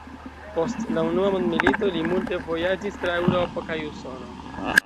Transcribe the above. Post la unua mondmilito li multe vojaĝis tra Eŭropo kaj Usono.